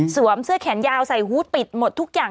เสื้อแขนยาวใส่ฮูตปิดหมดทุกอย่าง